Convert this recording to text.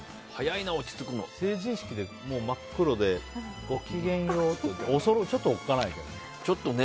成人式で真っ黒でごきげんようはちょっとおっかないね。